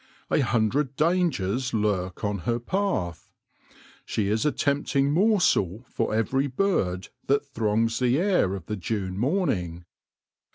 A hundred dangers lurk on her path. She is a tempt ing morsel for every bird that throngs the air of the June morning.